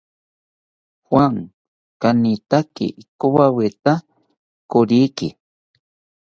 Juan kanitaki ikowawita koriki